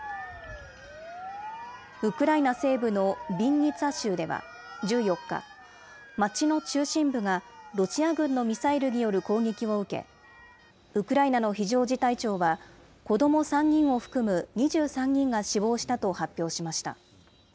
ウクライナ西部のビンニツァ州では１４日、町の中心部がロシア軍のミサイルによる攻撃を受け、ウクライナの非常事態庁は、子ども３人を含む２３人が死亡したと発表しました。